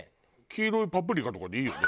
黄色いパプリカとかでいいよね。